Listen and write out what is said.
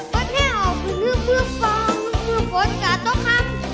บดแห้วคืนฮื้มฮื้มฮื้มฟังสู้ฝนกันตกครับ